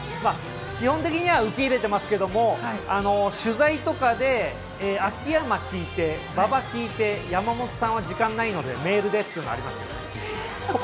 基本的には受け入れてますけど、取材とかで秋山聞いて、馬場聞いて、山本さんは時間ないのでメールでっていうのはありますね。